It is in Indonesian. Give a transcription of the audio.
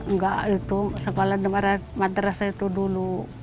enggak itu sekolah madrasah itu dulu